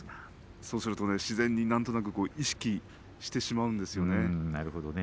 そうすると自然に意識してしまうんですよね。